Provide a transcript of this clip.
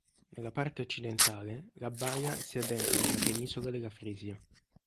Nella parte occidentale, la baia si addentra nella penisola della Frisia.